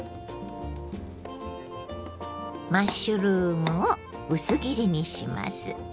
マッシュルームを薄切りにします。